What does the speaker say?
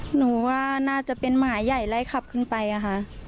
หนูว่าน่าจะเป็นหมาใหญ่ไล่ขับขึ้นไปอะค่ะ